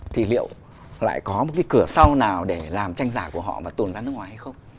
thì liệu lại có một cái cửa sau nào để làm tranh giả của họ mà tồn ra nước ngoài hay không